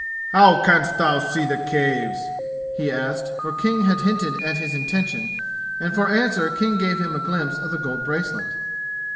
"How can'st thou see the Caves!" he asked, for King had hinted at his intention; and for answer King gave him a glimpse of the gold bracelet.